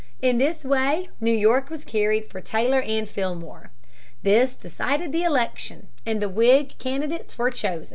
In this way New York was carried for Taylor and Fillmore. This decided the election, and the Whig candidates were chosen.